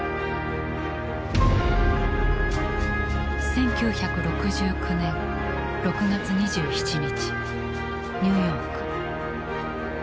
１９６９年６月２７日ニューヨーク。